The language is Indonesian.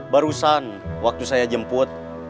barusan waktu saya jemput